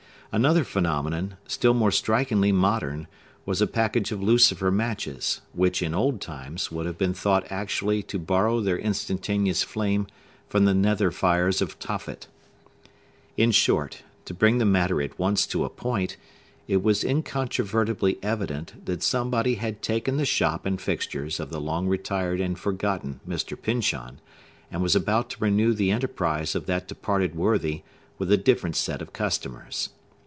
Another phenomenon, still more strikingly modern, was a package of lucifer matches, which, in old times, would have been thought actually to borrow their instantaneous flame from the nether fires of Tophet. In short, to bring the matter at once to a point, it was incontrovertibly evident that somebody had taken the shop and fixtures of the long retired and forgotten Mr. Pyncheon, and was about to renew the enterprise of that departed worthy, with a different set of customers.